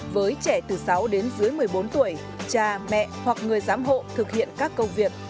với trẻ từ sáu đến dưới một mươi bốn tuổi cha mẹ hoặc người giám hộ thực hiện các công việc